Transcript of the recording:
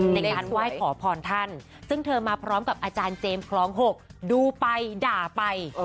ในการไหว้ขอพรท่านซึ่งเธอมาพร้อมกับอาจารย์เจมส์คลอง๖ดูไปด่าไป